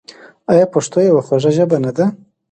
آیا پښتو یوه خوږه ژبه نه ده؟